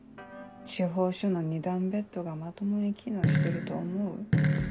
地方署の２段ベッドがまともに機能してると思う？